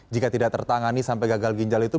jika tidak tertangani sampai gagal ginjal itu